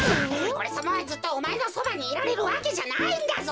おれさまはずっとおまえのそばにいられるわけじゃないんだぞ。